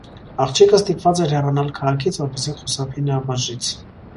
Աղջիկը ստպված էր հեռանալ քաղաքից, որպեսզի խուսափի նրա պատժից։